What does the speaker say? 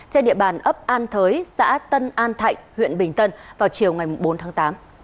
trên địa bàn ấp an thới xã tân an thạnh huyện bình tân vào chiều ngày bốn tháng tám